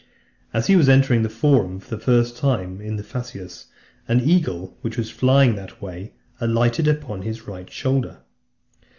As he was entering the Forum for the first time with the fasces, an eagle which was flying that way; alighted upon his right shoulder.